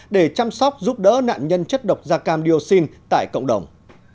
để chăm sóc giúp đỡ nạn nhân chất độc da cam dioxin tại cộng đồng